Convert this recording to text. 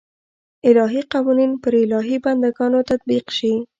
الهي قوانین پر الهي بنده ګانو تطبیق شي.